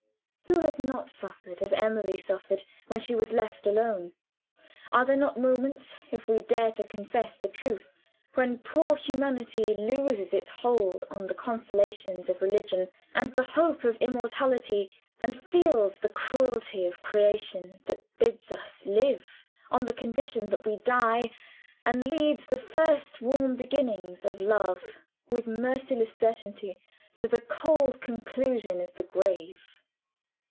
Who has not suffered as Emily suffered, when she was left alone? Are there not moments if we dare to confess the truth when poor humanity loses its hold on the consolations of religion and the hope of immortality, and feels the cruelty of creation that bids us live, on the condition that we die, and leads the first warm beginnings of love, with merciless certainty, to the cold conclusion of the grave?